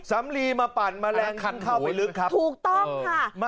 สำลีมาปั่นแมลงคันเข้าไปลึกครับถูกต้องค่ะ